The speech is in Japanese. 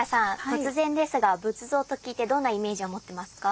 突然ですが仏像と聞いてどんなイメージを持ってますか？